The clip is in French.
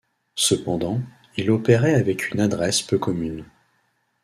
Cependant il opérait avec une adresse peu commune.